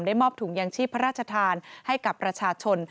มอบถุงยางชีพพระราชทานให้กับประชาชน